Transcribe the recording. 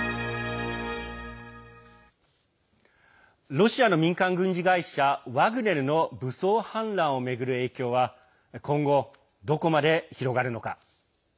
ロシアの民間軍事会社ワグネルの武装反乱を巡る影響は今後、どこまで広がるのか。